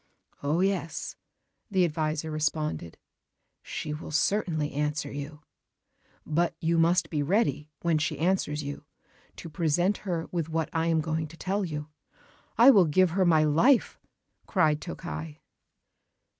"Oh, yes," the adviser responded, "she will certainly answer you. But you must be ready, when she answers you, to present her with what I am going to tell you...." "I will give her my life!" cried Tokkei.